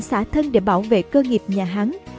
xã thân để bảo vệ cơ nghiệp nhà hán